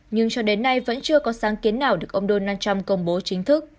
nhưng cho đến nay vẫn chưa có sáng kiến nào được ông donald trump công bố chính thức